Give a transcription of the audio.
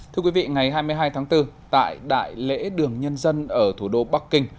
thưa quý vị ngày hai mươi hai tháng bốn tại đại lễ đường nhân dân ở thủ đô bắc kinh